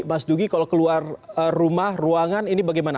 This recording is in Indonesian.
mas dugi kalau keluar rumah ruangan ini bagaimana